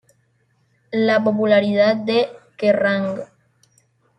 La popularidad de "Kerrang!